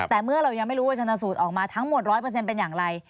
แต่เมื่อเรายังไม่รู้ว่าชนสูตรออกมาทั้งหมด๑๐๐เป็นอย่างไร